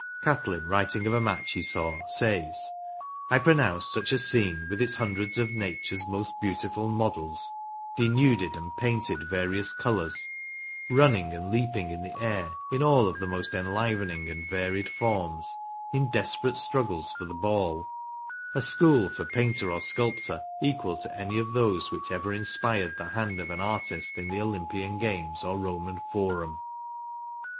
Catlin, writing of a match he saw, says :^' I pronounce such a scene, with its hundreds of nature's most beautiful models denuded, and painted various colors, running and leaping in the air in all of the most enlivening and varied forms, in desperate struggles for the ball, a school for painter or sculptor equal to any of those which ever inspired the hand of an artist in the Olympian games or Roman forum."